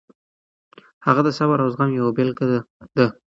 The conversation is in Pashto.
هغه د صبر او زغم یوه ژوندۍ بېلګه ده.